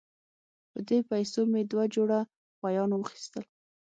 په دې پیسو مې دوه جوړه غویان واخیستل.